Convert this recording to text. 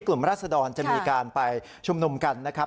กลุ่มรัฐศดรจะมีการไปชุมนมกันนะครับ